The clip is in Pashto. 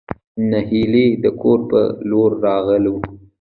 نهېلى د کور په لور راغلو.